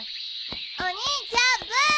お兄ちゃんブー！